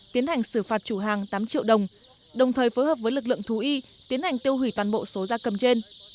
tiến hành xử phạt chủ hàng tám triệu đồng đồng thời phối hợp với lực lượng thú y tiến hành tiêu hủy toàn bộ số gia cầm trên